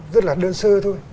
rất là đơn sơ thôi